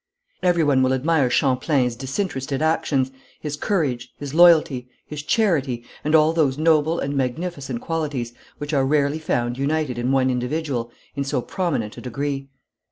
Every one will admire Champlain's disinterested actions, his courage, his loyalty, his charity, and all those noble and magnificent qualities which are rarely found united in one individual in so prominent a degree.